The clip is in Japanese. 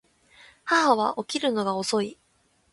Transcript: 母は起きるのが遅い